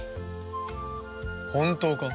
本当か？